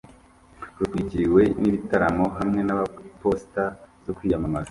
rutwikiriwe n'ibitaramo hamwe na posita zo kwiyamamaza